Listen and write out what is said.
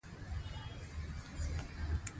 اندرور دمېړه خور ته وايي